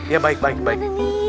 ya baik baik baik